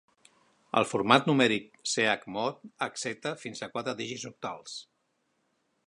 El format numèric chmod accepta fins a quatre dígits octals.